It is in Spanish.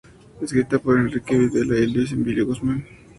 Escrita por Enrique Videla y Luis Emilio Guzmán.